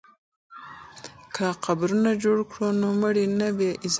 که قبرونه جوړ کړو نو مړي نه بې عزته کیږي.